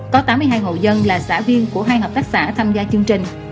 có tám mươi hai hộ dân là xã viên của hai hợp tác xã tham gia chương trình